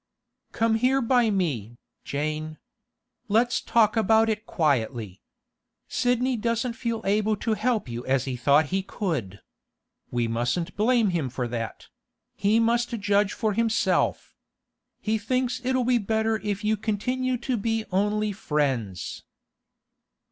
'Come here by me, Jane. Let's talk about it quietly. Sidney doesn't feel able to help you as he thought he could. We mustn't blame him for that; he must judge for himself. He thinks it'll be better if you continue to be only friends.